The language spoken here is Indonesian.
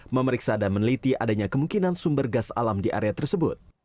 memeriksa dan meneliti adanya kemungkinan sumber gas alam di area tersebut